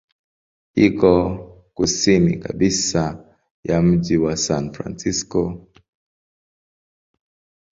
Iko kusini kabisa ya mji wa San Francisco.